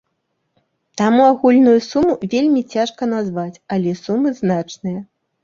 Таму агульную суму вельмі цяжка назваць, але сумы значныя.